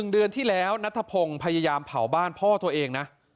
เดือนที่แล้วนัทพงศ์พยายามเผาบ้านพ่อตัวเองนะ